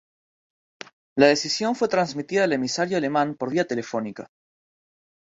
La decisión fue transmitida al emisario alemán por vía telefónica.